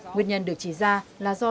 nguyên nhân được chỉ ra là do